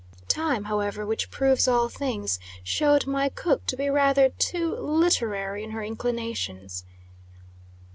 Time, however, which proves all things, showed my cook to be rather too literary in her inclinations.